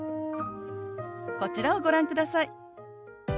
こちらをご覧ください。